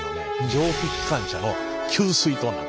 蒸気機関車の給水塔なんです。